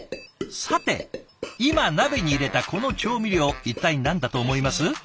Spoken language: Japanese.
さて今鍋に入れたこの調味料一体何だと思います？